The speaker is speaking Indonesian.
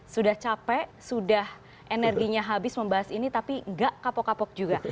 sudah capek sudah energinya habis membahas ini tapi nggak kapok kapok juga